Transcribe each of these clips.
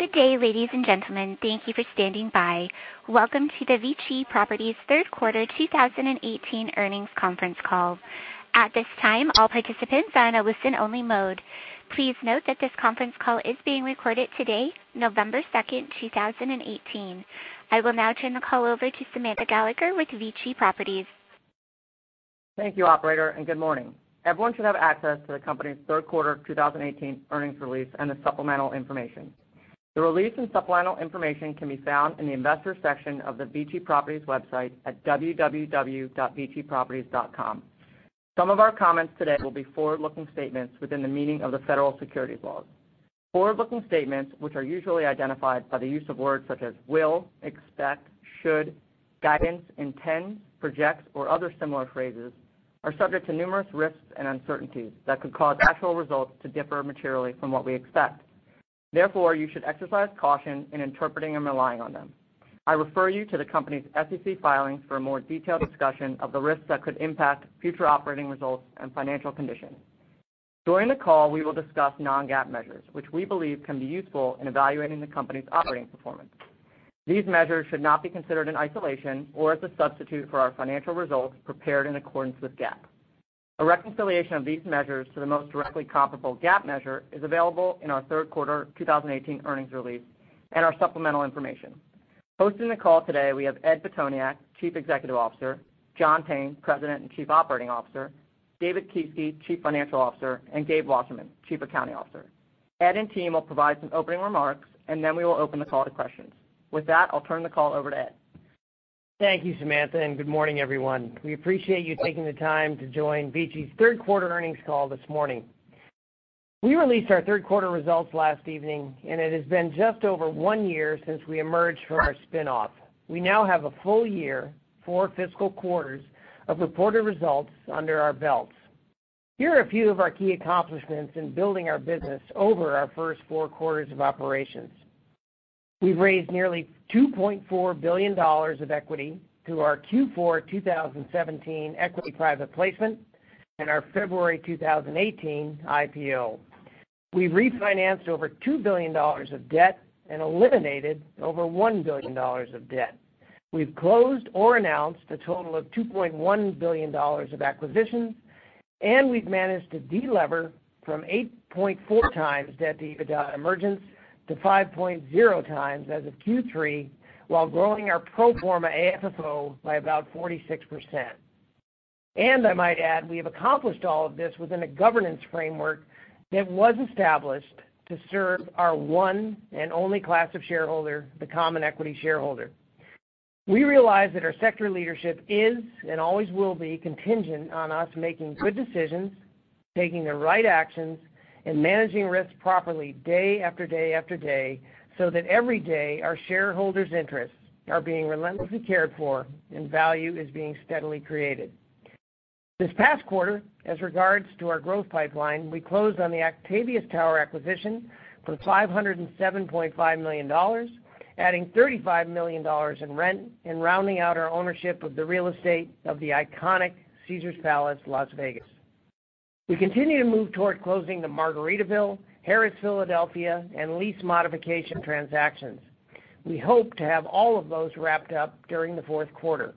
Good day, ladies and gentlemen. Thank you for standing by. Welcome to the VICI Properties third quarter 2018 earnings conference call. At this time, all participants are in a listen-only mode. Please note that this conference call is being recorded today, November 2nd, 2018. I will now turn the call over to Samantha Gallagher with VICI Properties. Thank you, operator, and good morning. Everyone should have access to the company's third quarter 2018 earnings release and the supplemental information. The release and supplemental information can be found in the investors section of the VICI Properties website at www.viciproperties.com. Some of our comments today will be forward-looking statements within the meaning of the federal securities laws. Forward-looking statements, which are usually identified by the use of words such as will, expect, should, guidance, intend, project, or other similar phrases, are subject to numerous risks and uncertainties that could cause actual results to differ materially from what we expect. Therefore, you should exercise caution in interpreting and relying on them. I refer you to the company's SEC filings for a more detailed discussion of the risks that could impact future operating results and financial conditions. During the call, we will discuss non-GAAP measures, which we believe can be useful in evaluating the company's operating performance. These measures should not be considered in isolation or as a substitute for our financial results prepared in accordance with GAAP. A reconciliation of these measures to the most directly comparable GAAP measure is available in our third quarter 2018 earnings release and our supplemental information. Hosting the call today, we have Ed Pitoniak, Chief Executive Officer, John Payne, President and Chief Operating Officer, David Kieske, Chief Financial Officer, and Gabe Wasserman, Chief Accounting Officer. Ed and team will provide some opening remarks, and then we will open the call to questions. With that, I'll turn the call over to Ed. Thank you, Samantha, and good morning, everyone. We appreciate you taking the time to join VICI's third quarter earnings call this morning. We released our third quarter results last evening, and it has been just over one year since we emerged from our spinoff. We now have a full year, four fiscal quarters of reported results under our belts. Here are a few of our key accomplishments in building our business over our first four quarters of operations. We've raised nearly $2.4 billion of equity through our Q4 2017 equity private placement and our February 2018 IPO. We've refinanced over $2 billion of debt and eliminated over $1 billion of debt. We've closed or announced a total of $2.1 billion of acquisitions, and we've managed to de-lever from 8.4 times debt to EBITDA emergence to 5.0 times as of Q3 while growing our pro forma AFFO by about 46%. I might add, we have accomplished all of this within a governance framework that was established to serve our one and only class of shareholder, the common equity shareholder. We realize that our sector leadership is and always will be contingent on us making good decisions, taking the right actions, and managing risks properly day after day after day, so that every day our shareholders' interests are being relentlessly cared for and value is being steadily created. This past quarter, as regards to our growth pipeline, we closed on the Octavius Tower acquisition for $507.5 million, adding $35 million in rent and rounding out our ownership of the real estate of the iconic Caesars Palace Las Vegas. We continue to move toward closing the Margaritaville, Harrah's Philadelphia, and lease modification transactions. We hope to have all of those wrapped up during the fourth quarter.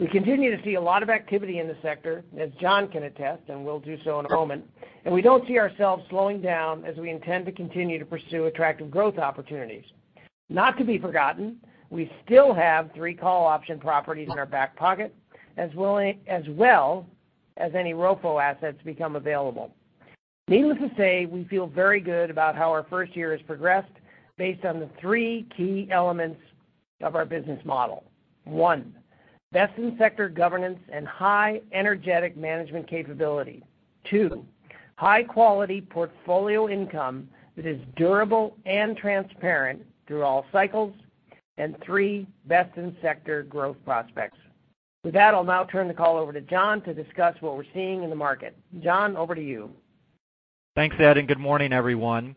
We continue to see a lot of activity in the sector, as John can attest and will do so in a moment. We don't see ourselves slowing down as we intend to continue to pursue attractive growth opportunities. Not to be forgotten, we still have three call option properties in our back pocket, as well as any ROFO assets become available. Needless to say, we feel very good about how our first year has progressed based on the three key elements of our business model. One, best-in-sector governance and high energetic management capability. Two, high-quality portfolio income that is durable and transparent through all cycles. Three, best-in-sector growth prospects. With that, I'll now turn the call over to John to discuss what we're seeing in the market. John, over to you. Thanks, Ed, good morning, everyone.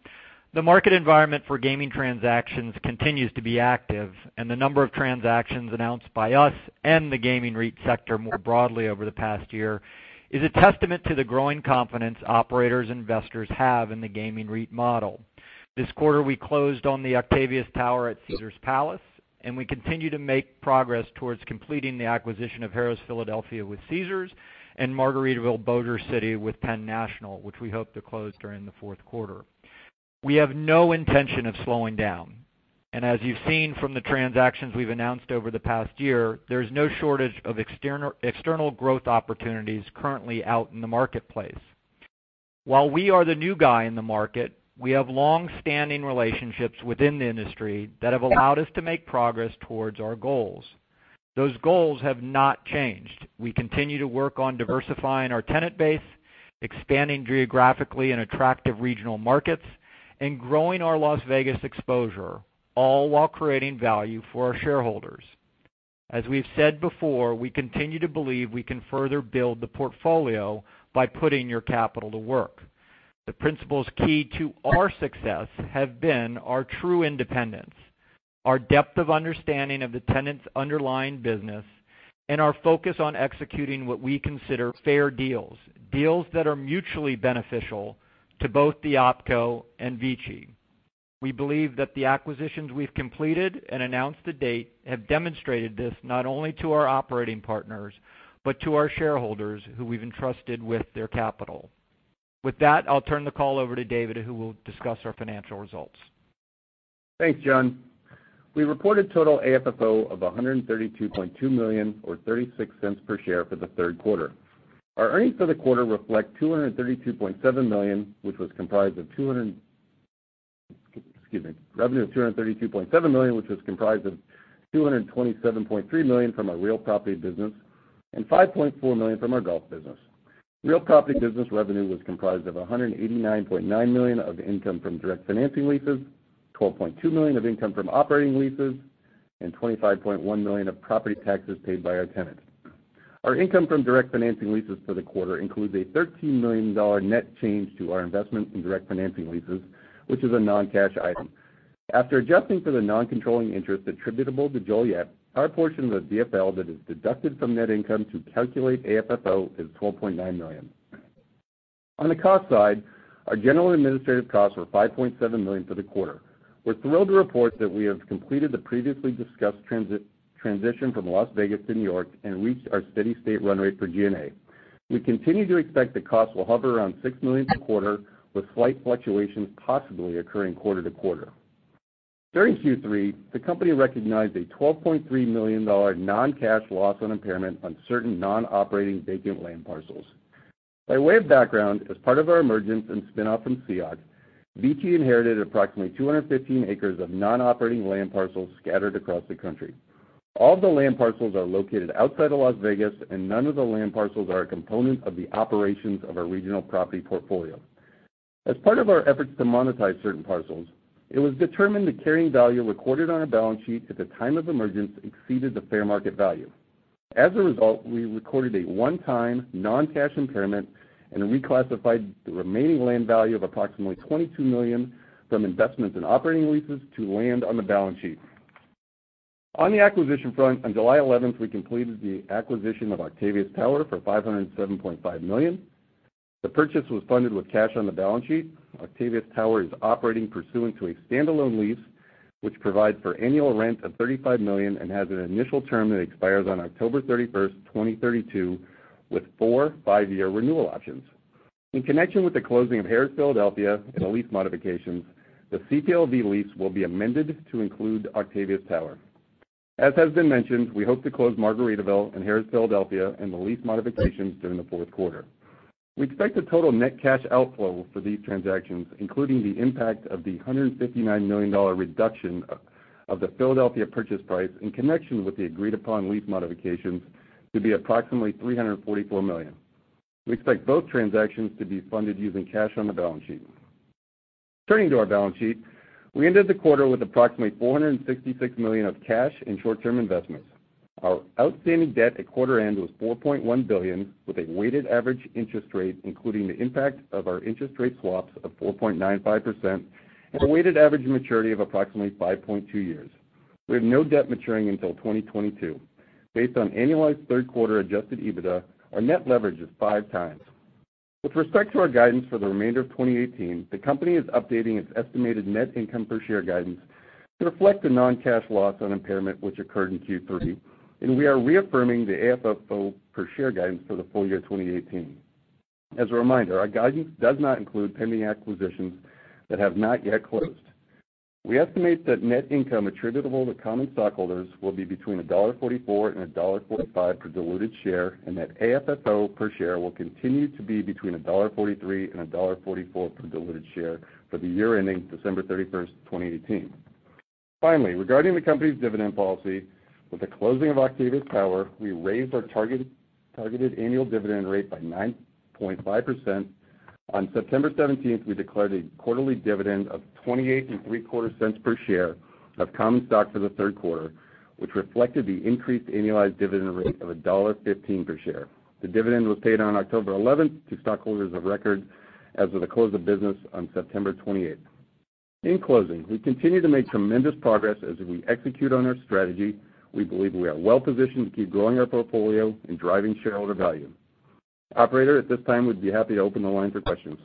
The market environment for gaming transactions continues to be active, and the number of transactions announced by us and the gaming REIT sector more broadly over the past year is a testament to the growing confidence operators and investors have in the gaming REIT model. This quarter, we closed on the Octavius Tower at Caesars Palace, and we continue to make progress towards completing the acquisition of Harrah's Philadelphia with Caesars and Margaritaville Bossier City with Penn National, which we hope to close during the fourth quarter. We have no intention of slowing down. As you've seen from the transactions we've announced over the past year, there's no shortage of external growth opportunities currently out in the marketplace. While we are the new guy in the market, we have longstanding relationships within the industry that have allowed us to make progress towards our goals. Those goals have not changed. We continue to work on diversifying our tenant base, expanding geographically in attractive regional markets, and growing our Las Vegas exposure, all while creating value for our shareholders. As we've said before, we continue to believe we can further build the portfolio by putting your capital to work. The principles key to our success have been our true independence, our depth of understanding of the tenant's underlying business and our focus on executing what we consider fair deals that are mutually beneficial to both the OpCo and VICI. We believe that the acquisitions we've completed and announced to date have demonstrated this not only to our operating partners, but to our shareholders who we've entrusted with their capital. With that, I'll turn the call over to David, who will discuss our financial results. Thanks, John. We reported total AFFO of $132.2 million or $0.36 per share for the third quarter. Our earnings for the quarter reflect $232.7 million, which was comprised of Revenue of $232.7 million, which was comprised of $227.3 million from our real property business and $5.4 million from our golf business. Real property business revenue was comprised of $189.9 million of income from direct financing leases, $12.2 million of income from operating leases, and $25.1 million of property taxes paid by our tenants. Our income from direct financing leases for the quarter includes a $13 million net change to our investment in direct financing leases, which is a non-cash item. After adjusting for the non-controlling interest attributable to Joliet, our portion of the DFL that is deducted from net income to calculate AFFO is $12.9 million. On the cost side, our general and administrative costs were $5.7 million for the quarter. We're thrilled to report that we have completed the previously discussed transition from Las Vegas to New York and reached our steady state run rate for G&A. We continue to expect that costs will hover around $6 million per quarter, with slight fluctuations possibly occurring quarter to quarter. During Q3, the company recognized a $12.3 million non-cash loss on impairment on certain non-operating vacant land parcels. By way of background, as part of our emergence and spinoff from CEOC, VICI inherited approximately 215 acres of non-operating land parcels scattered across the country. All of the land parcels are located outside of Las Vegas, and none of the land parcels are a component of the operations of our regional property portfolio. As part of our efforts to monetize certain parcels, it was determined the carrying value recorded on our balance sheet at the time of emergence exceeded the fair market value. As a result, we recorded a one-time non-cash impairment and reclassified the remaining land value of approximately $22 million from investments in operating leases to land on the balance sheet. On the acquisition front, on July 11th, we completed the acquisition of Octavius Tower for $507.5 million. The purchase was funded with cash on the balance sheet. Octavius Tower is operating pursuant to a standalone lease, which provides for annual rent of $35 million and has an initial term that expires on October 31st, 2032, with four five-year renewal options. In connection with the closing of Harrah's Philadelphia and the lease modifications, the CTLV lease will be amended to include Octavius Tower. As has been mentioned, we hope to close Margaritaville and Harrah's Philadelphia and the lease modifications during the fourth quarter. We expect the total net cash outflow for these transactions, including the impact of the $159 million reduction of the Philadelphia purchase price in connection with the agreed-upon lease modifications, to be approximately $344 million. We expect both transactions to be funded using cash on the balance sheet. Turning to our balance sheet, we ended the quarter with approximately $466 million of cash and short-term investments. Our outstanding debt at quarter end was $4.1 billion, with a weighted average interest rate, including the impact of our interest rate swaps of 4.95%, and a weighted average maturity of approximately 5.2 years. We have no debt maturing until 2022. Based on annualized third quarter adjusted EBITDA, our net leverage is five times. With respect to our guidance for the remainder of 2018, the company is updating its estimated net income per share guidance to reflect the non-cash loss on impairment which occurred in Q3, and we are reaffirming the AFFO per share guidance for the full year 2018. As a reminder, our guidance does not include pending acquisitions that have not yet closed. We estimate that net income attributable to common stockholders will be between $1.44 and $1.45 per diluted share, and that AFFO per share will continue to be between $1.43 and $1.44 per diluted share for the year ending December 31st, 2018. Finally, regarding the company's dividend policy, with the closing of Octavius Tower, we raised our targeted annual dividend rate by 9.5%. On September 17th, we declared a quarterly dividend of $0.2875 per share of common stock for the third quarter, which reflected the increased annualized dividend rate of $1.15 per share. The dividend was paid on October 11th to stockholders of record as of the close of business on September 28th. In closing, we continue to make tremendous progress as we execute on our strategy. We believe we are well-positioned to keep growing our portfolio and driving shareholder value. Operator, at this time, we'd be happy to open the line for questions.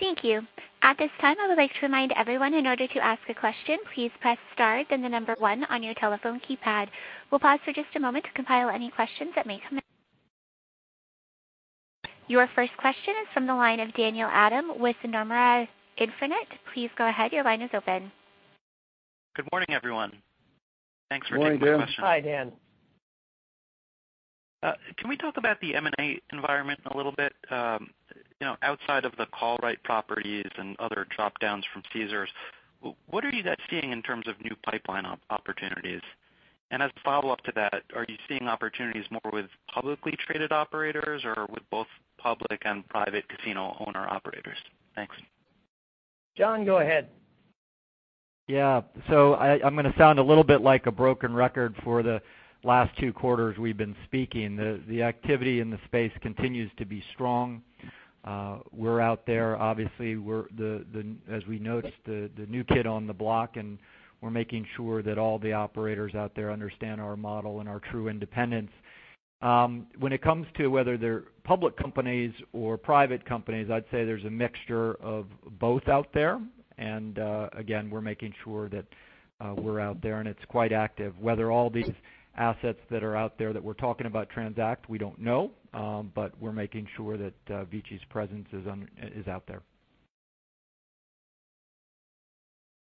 Thank you. At this time, I would like to remind everyone in order to ask a question, please press star then the number 1 on your telephone keypad. We'll pause for just a moment to compile any questions that may come in. Your first question is from the line of Daniel Adam with Nomura Instinet. Please go ahead, your line is open. Good morning, everyone. Thanks for taking my question. Good morning, Dan. Hi, Dan. Can we talk about the M&A environment a little bit? Outside of the call right properties and other drop-downs from Caesars, what are you guys seeing in terms of new pipeline opportunities? As a follow-up to that, are you seeing opportunities more with publicly traded operators or with both public and private casino owner-operators? Thanks. John, go ahead. Yeah. I'm going to sound a little bit like a broken record for the last two quarters we've been speaking. The activity in the space continues to be strong. We're out there. Obviously, as we noted, the new kid on the block, and we're making sure that all the operators out there understand our model and our true independence. When it comes to whether they're public companies or private companies, I'd say there's a mixture of both out there. Again, we're making sure that we're out there, and it's quite active. Whether all these assets that are out there that we're talking about transact, we don't know. We're making sure that VICI's presence is out there.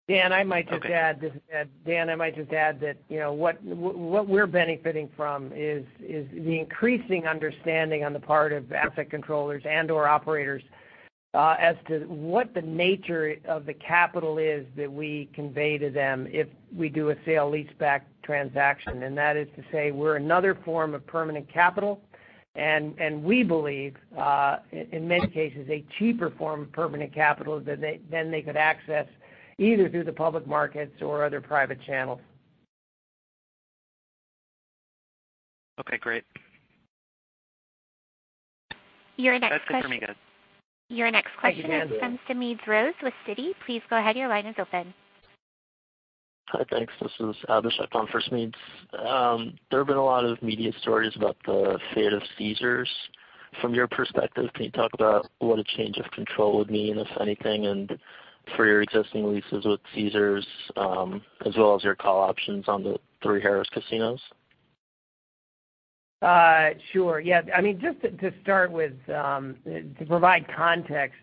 Dan, I might just add that what we're benefiting from is the increasing understanding on the part of asset controllers and/or operators as to what the nature of the capital is that we convey to them if we do a sale leaseback transaction. That is to say we're another form of permanent capital, and we believe, in many cases, a cheaper form of permanent capital than they could access, either through the public markets or other private channels. Okay, great. Your next question. That's good for me, guys. Your next question. Thank you. Comes from Smedes Rose with Citi. Please go ahead. Your line is open. Hi. Thanks. This is Abishai on for Smedes. There have been a lot of media stories about the fate of Caesars. From your perspective, can you talk about what a change of control would mean, if anything, for your existing leases with Caesars, as well as your call options on the three Harrah's casinos? Sure. Yeah. Just to start with, to provide context,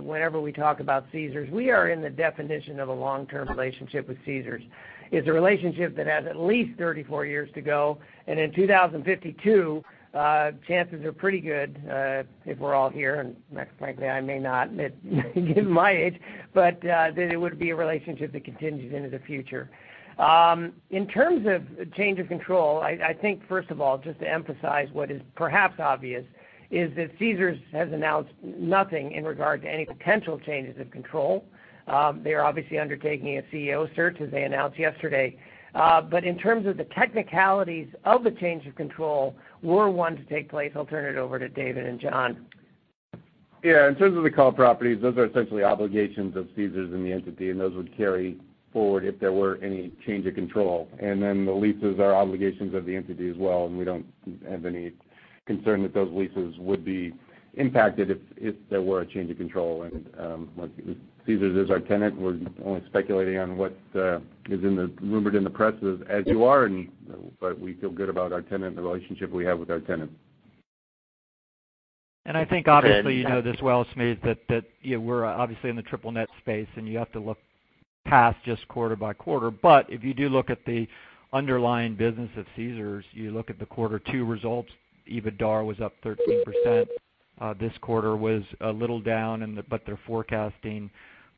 whenever we talk about Caesars, we are in the definition of a long-term relationship with Caesars. It's a relationship that has at least 34 years to go. In 2052, chances are pretty good, if we're all here, and quite frankly, I may not, given my age, but that it would be a relationship that continues into the future. In terms of change of control, I think first of all, just to emphasize what is perhaps obvious, is that Caesars has announced nothing in regard to any potential changes of control. They're obviously undertaking a CEO search, as they announced yesterday. In terms of the technicalities of the change of control, were one to take place, I'll turn it over to David and John. Yeah. In terms of the call properties, those are essentially obligations of Caesars and the entity, and those would carry forward if there were any change of control. The leases are obligations of the entity as well, and we don't have any concern that those leases would be impacted if there were a change of control. Caesars is our tenant. We're only speculating on what is rumored in the press as you are, but we feel good about our tenant and the relationship we have with our tenant. I think obviously, you know this well, Smedes, that we're obviously in the triple net space, and you have to look past just quarter by quarter. If you do look at the underlying business of Caesars, you look at the quarter two results, EBITDA was up 13%. This quarter was a little down, but they're forecasting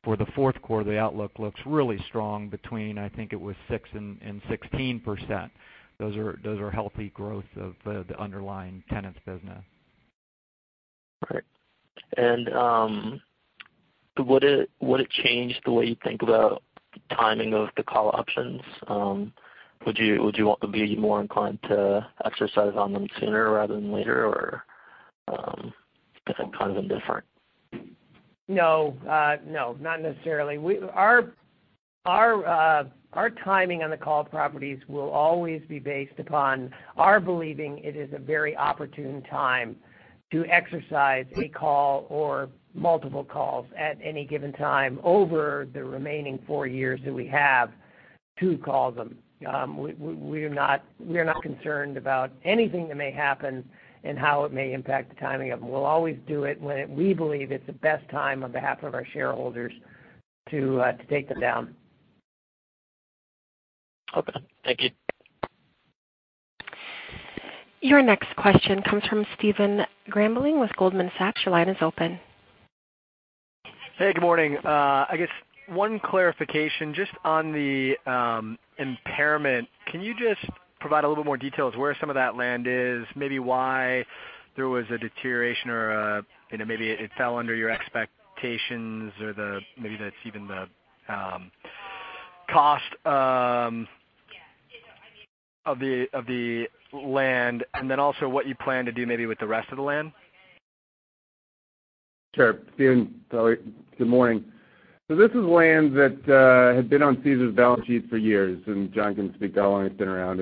for the fourth quarter, the outlook looks really strong between, I think it was 6% and 16%. Those are healthy growth of the underlying tenant's business. Great. Would it change the way you think about timing of the call options? Would you want to be more inclined to exercise on them sooner rather than later, or different kinds of different? No, not necessarily. Our timing on the call properties will always be based upon our believing it is a very opportune time to exercise a call or multiple calls at any given time over the remaining 4 years that we have to call them. We're not concerned about anything that may happen and how it may impact the timing of them. We'll always do it when we believe it's the best time on behalf of our shareholders to take them down. Okay. Thank you. Your next question comes from Stephen Grambling with Goldman Sachs. Your line is open. Hey, good morning. I guess one clarification, just on the impairment. Can you just provide a little more details where some of that land is, maybe why there was a deterioration, or maybe it fell under your expectations or maybe that it is even the cost of the land. Also what you plan to do maybe with the rest of the land? Sure. Stephen, good morning. This is land that had been on Caesars' balance sheet for years, and John can speak to how long it has been around.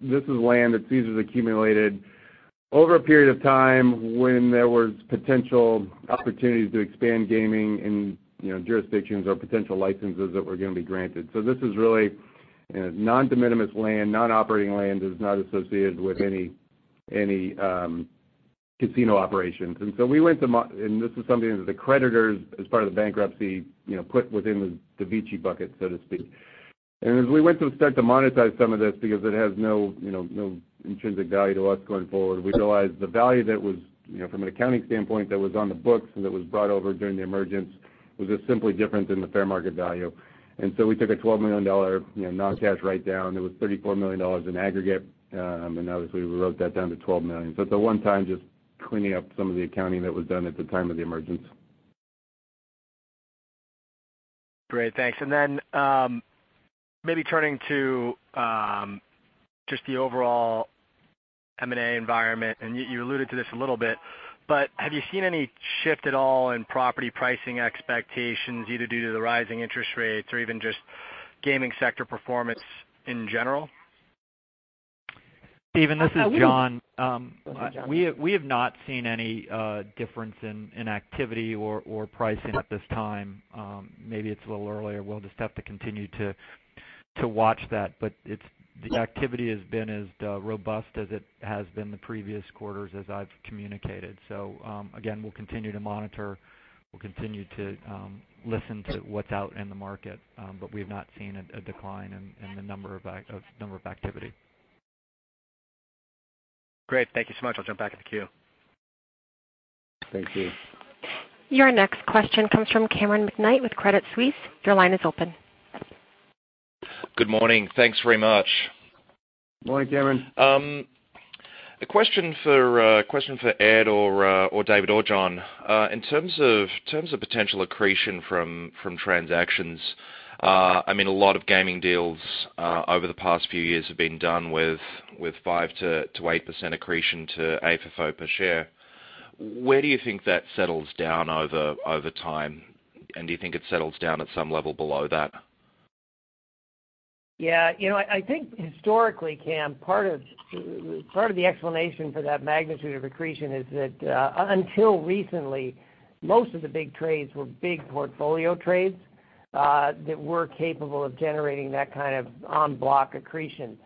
This is land that Caesars accumulated over a period of time when there was potential opportunities to expand gaming in jurisdictions or potential licenses that were going to be granted. This is really non de minimis land, non-operating land that is not associated with any casino operations. This is something that the creditors, as part of the bankruptcy, put within the VICI bucket, so to speak. As we went to start to monetize some of this because it has no intrinsic value to us going forward, we realized the value that was, from an accounting standpoint, that was on the books and that was brought over during the emergence was just simply different than the fair market value. We took a $12 million non-cash write down. It was $34 million in aggregate. Obviously, we wrote that down to $12 million. At the one time, just cleaning up some of the accounting that was done at the time of the emergence. Great. Thanks. Then maybe turning to just the overall M&A environment, and you alluded to this a little bit, but have you seen any shift at all in property pricing expectations, either due to the rising interest rates or even just Gaming sector performance in general? Stephen, this is John. Go ahead, John. We have not seen any difference in activity or pricing at this time. Maybe it's a little early, and we'll just have to continue to watch that. The activity has been as robust as it has been the previous quarters, as I've communicated. Again, we'll continue to monitor, we'll continue to listen to what's out in the market. We've not seen a decline in the number of activity. Great. Thank you so much. I'll jump back in the queue. Thank you. Your next question comes from Cameron McKnight with Credit Suisse. Your line is open. Good morning. Thanks very much. Morning, Cameron. A question for Ed or David or John. In terms of potential accretion from transactions, a lot of gaming deals over the past few years have been done with 5%-8% accretion to AFFO per share. Where do you think that settles down over time, and do you think it settles down at some level below that? Yeah. I think historically, Cam, part of the explanation for that magnitude of accretion is that, until recently, most of the big trades were big portfolio trades, that were capable of generating that kind of en bloc accretion.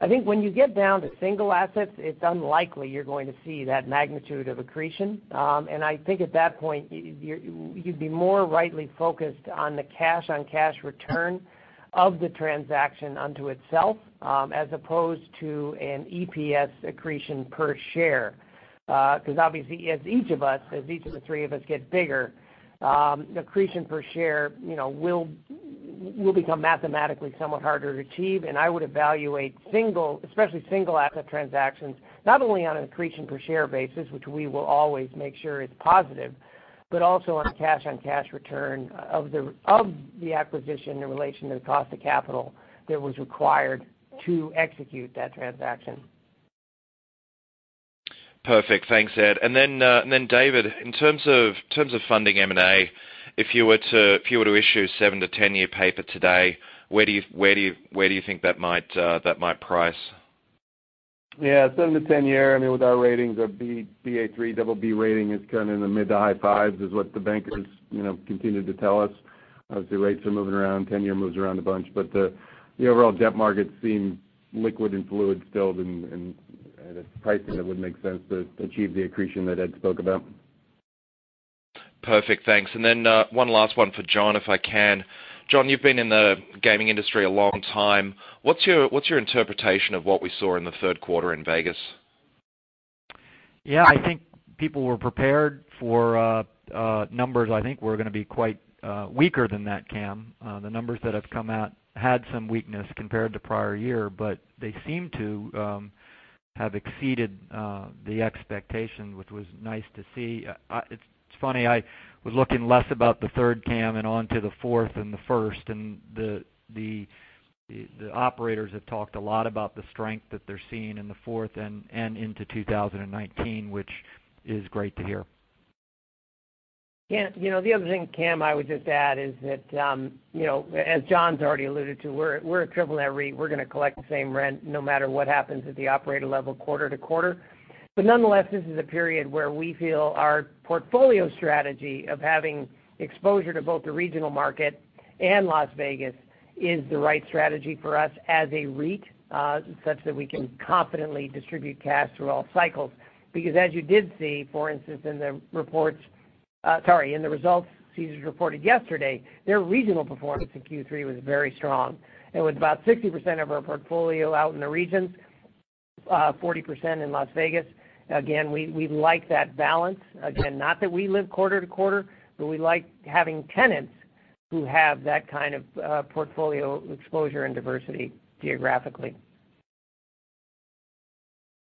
I think when you get down to single assets, it's unlikely you're going to see that magnitude of accretion. I think at that point, you'd be more rightly focused on the cash-on-cash return of the transaction unto itself, as opposed to an EPS accretion per share. Because obviously, as each of the three of us get bigger, accretion per share will become mathematically somewhat harder to achieve. I would evaluate, especially single asset transactions, not only on an accretion per share basis, which we will always make sure is positive, but also on cash-on-cash return of the acquisition in relation to the cost of capital that was required to execute that transaction. Perfect. Thanks, Ed. David, in terms of funding M&A, if you were to issue seven to 10-year paper today, where do you think that might price? Yeah. Seven to 10-year, with our ratings are Ba3/BB rating is kind of in the mid to high fives, is what the bankers continue to tell us. Obviously, rates are moving around, 10-year moves around a bunch, the overall debt market seem liquid and fluid still, at a pricing that would make sense to achieve the accretion that Ed spoke about. Perfect. Thanks. One last one for John, if I can. John, you've been in the gaming industry a long time. What's your interpretation of what we saw in the third quarter in Vegas? Yeah, people were prepared for numbers were going to be quite weaker than that, Cam. The numbers that have come out had some weakness compared to prior year. They seem to have exceeded the expectation, which was nice to see. It's funny, I was looking less about the third, Cam, onto the fourth and the first. The operators have talked a lot about the strength that they're seeing in the fourth and into 2019, which is great to hear. The other thing, Cam, I would just add is that, as John's already alluded to, we're a triple net REIT. We're going to collect the same rent no matter what happens at the operator level quarter-to-quarter. Nonetheless, this is a period where we feel our portfolio strategy of having exposure to both the regional market and Las Vegas is the right strategy for us as a REIT, such that we can confidently distribute cash through all cycles. Because as you did see, for instance, in the results Caesars Entertainment reported yesterday, their regional performance in Q3 was very strong. With about 60% of our portfolio out in the regions, 40% in Las Vegas, again, we like that balance. Again, not that we live quarter-to-quarter, but we like having tenants who have that kind of portfolio exposure and diversity geographically.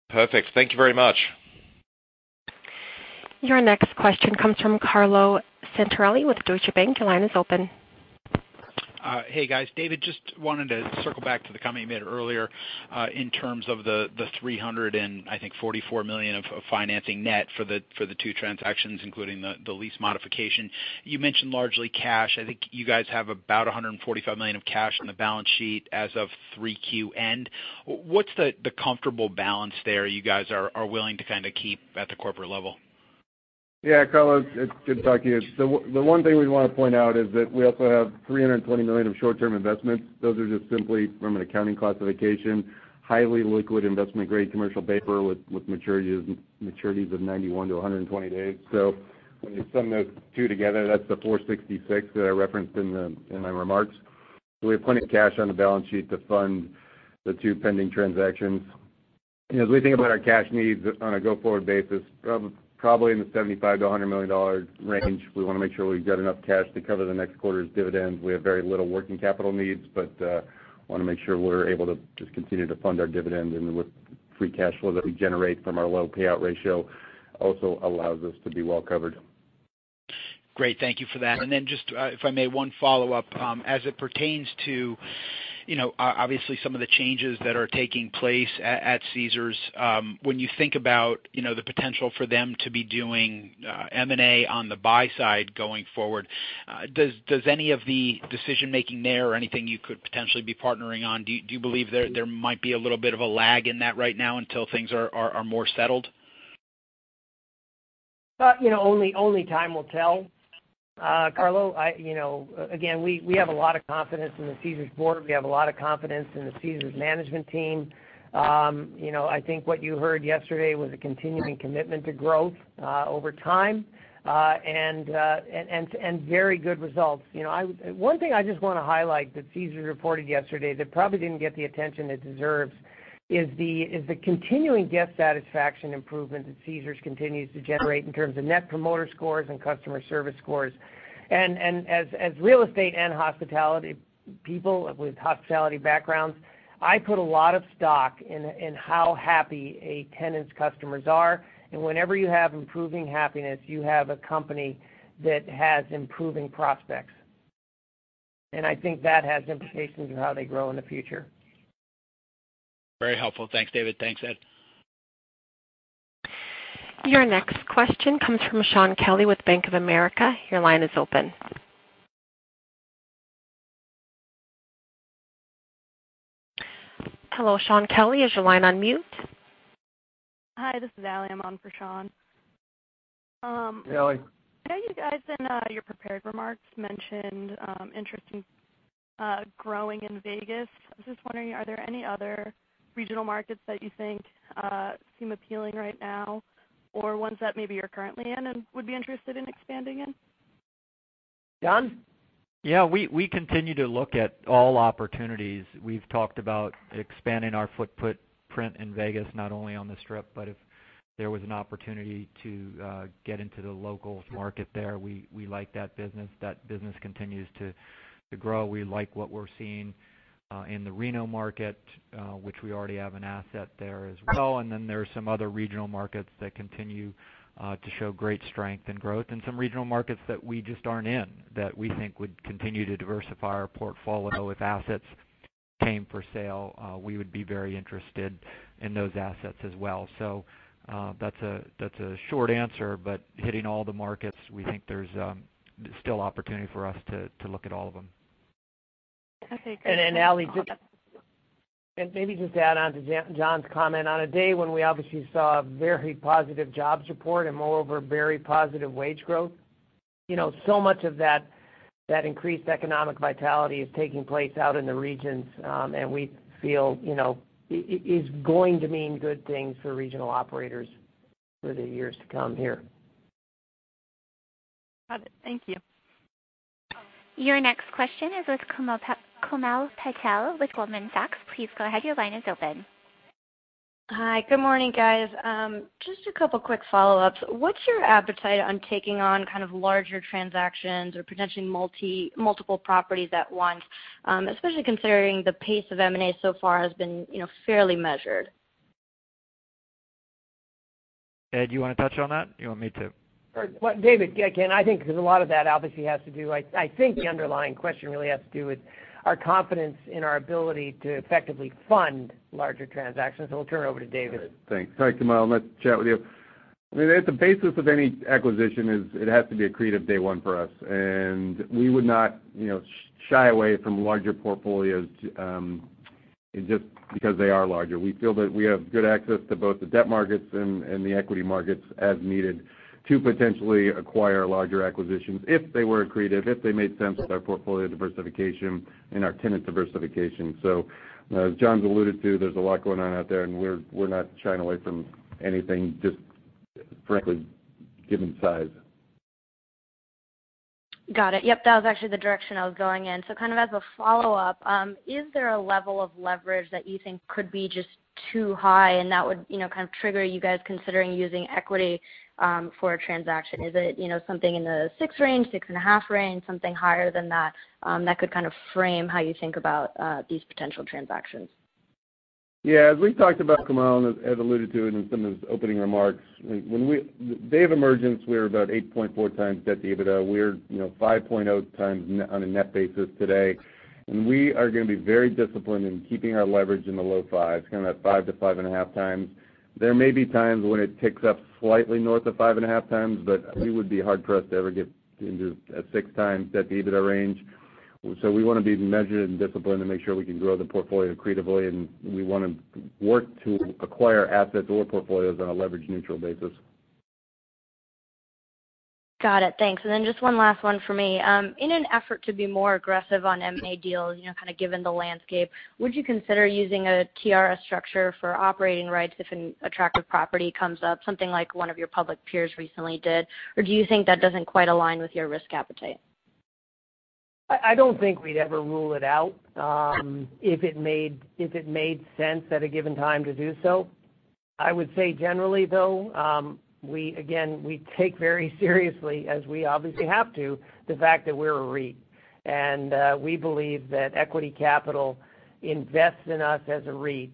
Perfect. Thank you very much. Your next question comes from Carlo Santarelli with Deutsche Bank. Your line is open. Hey, guys. David, just wanted to circle back to the comment you made earlier, in terms of the, I think, $344 million of financing net for the two transactions, including the lease modification. You mentioned largely cash. I think you guys have about $145 million of cash on the balance sheet as of 3Q end. What's the comfortable balance there you guys are willing to kind of keep at the corporate level? Carlo, it's good talking to you. The one thing we want to point out is that we also have $320 million of short-term investments. Those are just simply from an accounting classification, highly liquid investment-grade commercial paper with maturities of 91 to 120 days. When you sum those two together, that's the 466 that I referenced in my remarks. We have plenty of cash on the balance sheet to fund the two pending transactions. As we think about our cash needs on a go-forward basis, probably in the $75 million-$100 million range. We want to make sure we've got enough cash to cover the next quarter's dividends. We have very little working capital needs, but want to make sure we're able to just continue to fund our dividends. With free cash flow that we generate from our low payout ratio also allows us to be well-covered. Great. Thank you for that. Then just, if I may, one follow-up. As it pertains to Obviously, some of the changes that are taking place at Caesars. When you think about the potential for them to be doing M&A on the buy side going forward, does any of the decision-making there or anything you could potentially be partnering on, do you believe there might be a little bit of a lag in that right now until things are more settled? Only time will tell, Carlo. Again, we have a lot of confidence in the Caesars board. We have a lot of confidence in the Caesars management team. I think what you heard yesterday was a continuing commitment to growth over time, and very good results. One thing I just want to highlight that Caesars reported yesterday that probably didn't get the attention it deserves, is the continuing guest satisfaction improvement that Caesars continues to generate in terms of Net Promoter Scores and customer service scores. As real estate and hospitality people with hospitality backgrounds, I put a lot of stock in how happy a tenant's customers are. Whenever you have improving happiness, you have a company that has improving prospects. I think that has implications in how they grow in the future. Very helpful. Thanks, David. Thanks, Ed. Your next question comes from Shaun Kelley with Bank of America. Your line is open. Hello, Shaun Kelley. Is your line on mute? Hi, this is Ally. I'm on for Shaun. Ally. I know you guys, in your prepared remarks, mentioned interest in growing in Vegas. I was just wondering, are there any other regional markets that you think seem appealing right now, or ones that maybe you're currently in and would be interested in expanding in? John? Yeah. We continue to look at all opportunities. We've talked about expanding our footprint in Vegas, not only on the Strip, but if there was an opportunity to get into the local market there, we like that business. That business continues to grow. We like what we're seeing in the Reno market, which we already have an asset there as well. There are some other regional markets that continue to show great strength and growth, and some regional markets that we just aren't in that we think would continue to diversify our portfolio. If assets came for sale, we would be very interested in those assets as well. That's a short answer, but hitting all the markets, we think there's still opportunity for us to look at all of them. Okay, great. Ally, maybe just to add on to John's comment. On a day when we obviously saw a very positive jobs report and, moreover, very positive wage growth, so much of that increased economic vitality is taking place out in the regions, and we feel it is going to mean good things for regional operators for the years to come here. Got it. Thank you. Your next question is with Komal Patel with Goldman Sachs. Please go ahead, your line is open. Hi. Good morning, guys. Just a couple quick follow-ups. What's your appetite on taking on kind of larger transactions or potentially multiple properties at once? Especially considering the pace of M&A so far has been fairly measured. Ed, you want to touch on that? You want me to? David, again, I think the underlying question really has to do with our confidence in our ability to effectively fund larger transactions. I'll turn it over to David. Thanks. Hi, Komal. Nice to chat with you. At the basis of any acquisition is it has to be accretive day one for us. We would not shy away from larger portfolios just because they are larger. We feel that we have good access to both the debt markets and the equity markets as needed to potentially acquire larger acquisitions if they were accretive, if they made sense with our portfolio diversification and our tenant diversification. As John's alluded to, there's a lot going on out there, and we're not shying away from anything just, frankly, given size. Got it. Yep. That was actually the direction I was going in. Kind of as a follow-up, is there a level of leverage that you think could be just too high and that would kind of trigger you guys considering using equity for a transaction? Is it something in the six range, six and a half range, something higher than that that could kind of frame how you think about these potential transactions? Yeah. As we've talked about, Komal, and as Ed alluded to it in some of his opening remarks, day of emergence, we were about 8.4 times debt to EBITDA. We're 5.0 times on a net basis today. We are going to be very disciplined in keeping our leverage in the low fives, kind of that five to five and a half times. There may be times when it ticks up slightly north of five and a half times, but it would be hard for us to ever get into a six times debt to EBITDA range. We want to be measured and disciplined and make sure we can grow the portfolio accretively, and we want to work to acquire assets or portfolios on a leverage-neutral basis. Got it. Thanks. Then just one last one from me. In an effort to be more aggressive on M&A deals, kind of given the landscape, would you consider using a TRS structure for operating rights if an attractive property comes up, something like one of your public peers recently did? Do you think that doesn't quite align with your risk appetite? I don't think we'd ever rule it out if it made sense at a given time to do so. I would say generally, though, again, we take very seriously, as we obviously have to, the fact that we're a REIT. And we believe that equity capital invests in us as a REIT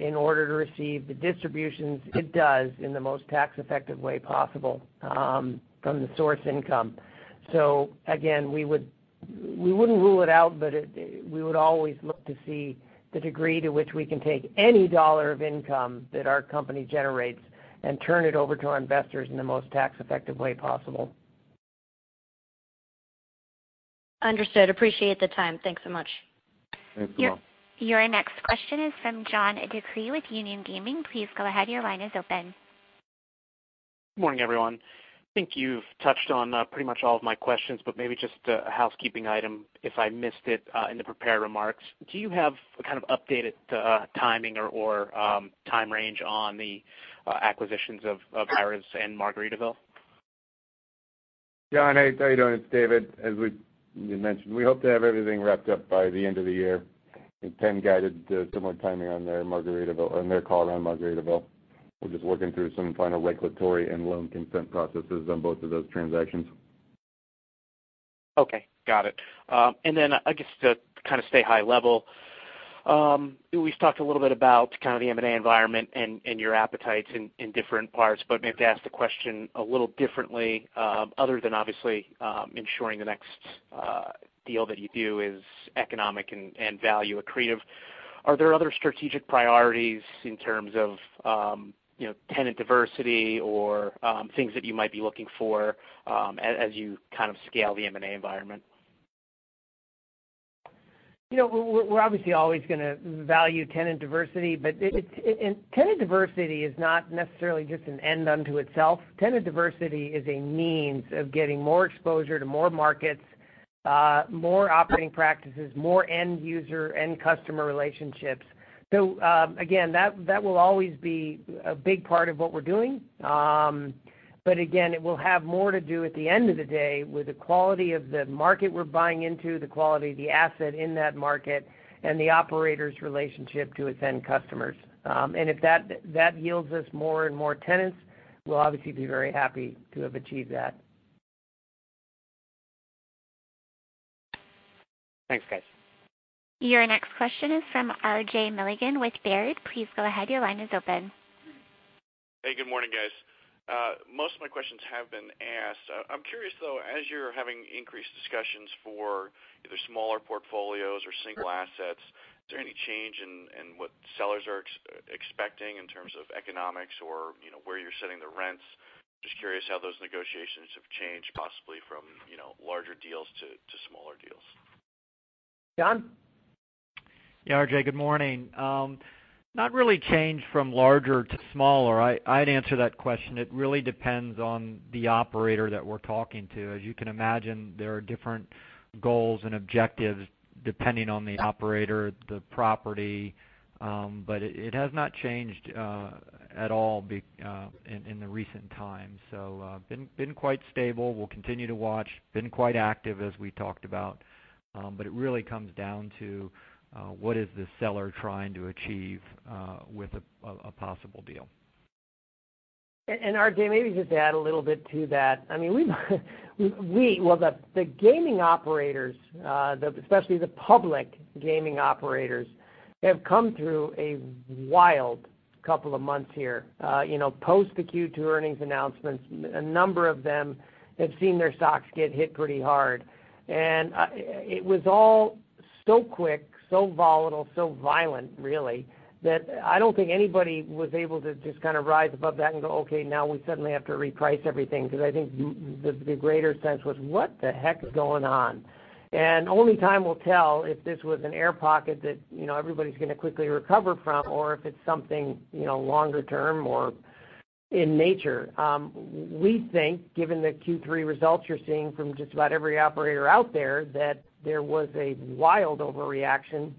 in order to receive the distributions it does in the most tax effective way possible from the source income. Again, we wouldn't rule it out, but we would always look to see the degree to which we can take any dollar of income that our company generates and turn it over to our investors in the most tax effective way possible. Understood. Appreciate the time. Thanks so much. Thanks, Komal. Your next question is from John DeCree with Union Gaming. Please go ahead. Your line is open. Morning, everyone. I think you've touched on pretty much all of my questions, Maybe just a housekeeping item if I missed it in the prepared remarks. Do you have a kind of updated timing or time range on the acquisitions of Harrah's and Margaritaville? John, hey, how you doing? It's David. As we mentioned, we hope to have everything wrapped up by the end of the year. I think Penn guided similar timing on their call around Margaritaville. We're just working through some final regulatory and loan consent processes on both of those transactions. Okay, got it. Then I guess to kind of stay high level, we've talked a little bit about kind of the M&A environment and your appetites in different parts, Maybe to ask the question a little differently, other than obviously ensuring the next deal that you do is economic and value accretive, are there other strategic priorities in terms of tenant diversity or things that you might be looking for as you kind of scale the M&A environment? We're obviously always going to value tenant diversity. Tenant diversity is not necessarily just an end unto itself. Tenant diversity is a means of getting more exposure to more markets, more operating practices, more end user, end customer relationships. Again, that will always be a big part of what we're doing. Again, it will have more to do at the end of the day with the quality of the market we're buying into, the quality of the asset in that market, and the operator's relationship to its end customers. If that yields us more and more tenants, we'll obviously be very happy to have achieved that. Thanks, guys. Your next question is from RJ Milligan with Baird. Please go ahead. Your line is open. Hey, good morning, guys. Most of my questions have been asked. I'm curious though, as you're having increased discussions for either smaller portfolios or single assets, is there any change in what sellers are expecting in terms of economics or where you're setting the rents? Just curious how those negotiations have changed possibly from larger deals to smaller deals. John? Yeah, RJ, good morning. Not really changed from larger to smaller. I'd answer that question. It really depends on the operator that we're talking to. As you can imagine, there are different goals and objectives depending on the operator, the property, but it has not changed at all in the recent times. It's been quite stable. We'll continue to watch. It's been quite active as we talked about. It really comes down to, what is the seller trying to achieve with a possible deal? RJ, maybe just to add a little bit to that. The gaming operators, especially the public gaming operators, have come through a wild couple of months here. Post the Q2 earnings announcements, a number of them have seen their stocks get hit pretty hard. It was all so quick, so volatile, so violent really, that I don't think anybody was able to just kind of rise above that and go, okay, now we suddenly have to reprice everything, because I think the greater sense was, what the heck is going on? Only time will tell if this was an air pocket that everybody's going to quickly recover from or if it's something longer term or in nature. We think given the Q3 results you're seeing from just about every operator out there, that there was a wild overreaction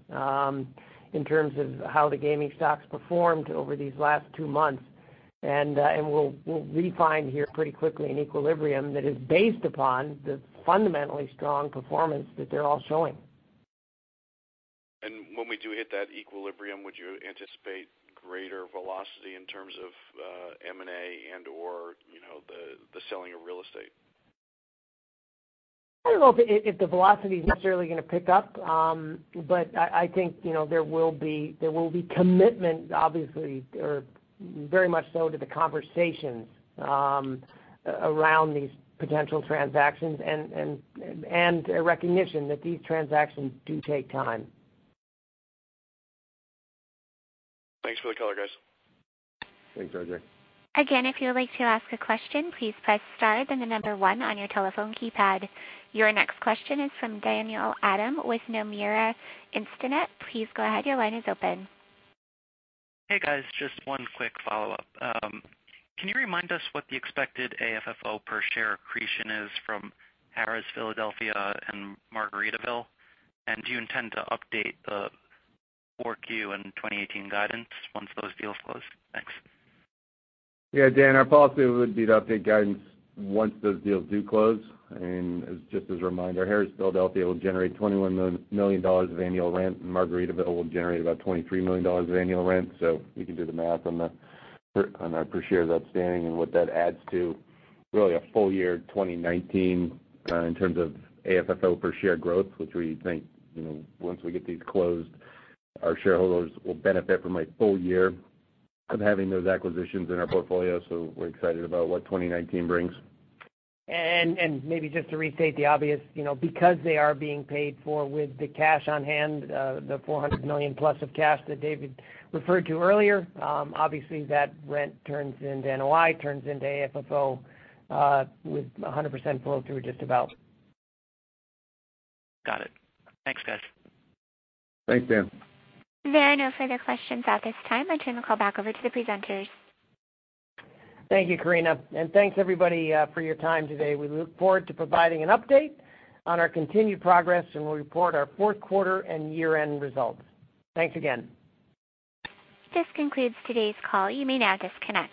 in terms of how the gaming stocks performed over these last two months. We'll refind here pretty quickly an equilibrium that is based upon the fundamentally strong performance that they're all showing. When we do hit that equilibrium, would you anticipate greater velocity in terms of M&A and/or the selling of real estate? I don't know if the velocity is necessarily going to pick up. I think there will be commitment obviously, or very much so to the conversations around these potential transactions and a recognition that these transactions do take time. Thanks for the color, guys. Thanks, RJ. If you would like to ask a question, please press star, then the number one on your telephone keypad. Your next question is from Daniel Adam with Nomura Instinet. Please go ahead. Your line is open. Hey, guys, just one quick follow-up. Can you remind us what the expected AFFO per share accretion is from Harrah's Philadelphia and Margaritaville? Do you intend to update the 4Q and 2018 guidance once those deals close? Thanks. Yeah, Dan, our policy would be to update guidance once those deals do close. Just as a reminder, Harrah's Philadelphia will generate $21 million of annual rent, and Margaritaville will generate about $23 million of annual rent. You can do the math on the per share that's standing and what that adds to really a full year 2019 in terms of AFFO per share growth, which we think, once we get these closed, our shareholders will benefit from a full year of having those acquisitions in our portfolio. We're excited about what 2019 brings. Maybe just to restate the obvious, because they are being paid for with the cash on hand, the $400 million plus of cash that David referred to earlier, obviously that rent turns into NOI, turns into AFFO, with 100% flow through just about. Got it. Thanks, guys. Thanks, Dan. There are no further questions at this time. I turn the call back over to the presenters. Thank you, Karina. Thanks everybody for your time today. We look forward to providing an update on our continued progress, and we'll report our fourth quarter and year-end results. Thanks again. This concludes today's call. You may now disconnect.